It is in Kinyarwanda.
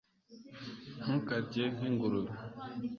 ntukarye nk'ingurube